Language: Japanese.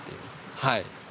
はい。